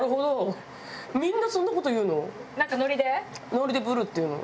ノリで「ブル」って言うの？